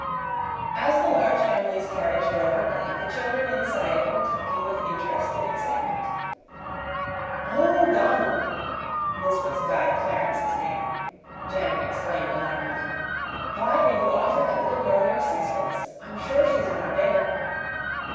As the Large Family's carriage drove away, the children inside it were talking with interested excitement. "Oh, Donald," (this was Guy Clarence's name), Janet exclaimed alarmedly, "why did you offer that little girl your sixpence? I'm sure she is not a beggar!"